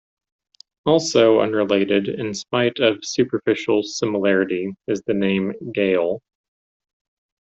Also unrelated in spite of superficial similarity is the name "Gael".